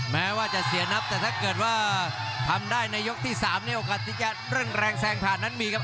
แม้ว่าจะเสียนับแต่ถ้าเกิดว่าทำได้ในยกที่๓เนี่ยโอกาสที่จะเร่งแรงแซงผ่านนั้นมีครับ